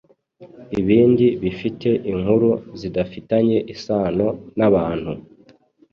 ibindi bifite inkuru zidafitanye isano nabantu